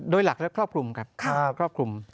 โดยหลักและครอบคลุมครับครอบคลุม